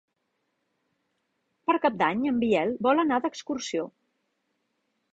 Per Cap d'Any en Biel vol anar d'excursió.